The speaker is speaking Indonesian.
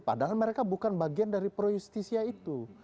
padahal mereka bukan bagian dari pro justisia itu